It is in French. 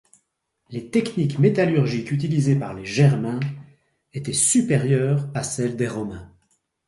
Les techniques métallurgiques utilisées par les Germains étaient supérieures à celles des Romains.